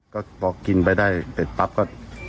ก็ต่อกินไปได้แต่ปั๊บก็